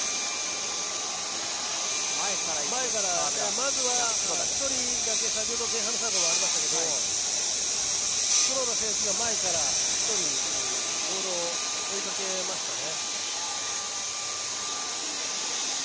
まずは１人だけ前半の最後にもありましたけど黒田選手が前から１人でボールを追いかけましたね。